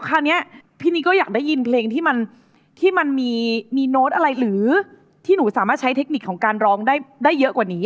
ทีนี้ก็อยากได้ยินเพลงที่มันที่มันมีมีโน้ตอะไรหรือที่หนูสามารถใช้เทคนิคของการร้องได้ได้เยอะกว่านี้